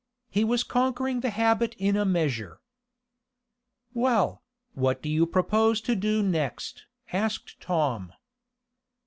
He was conquering the habit in a measure. "Well, what do you propose to do next?" asked Tom.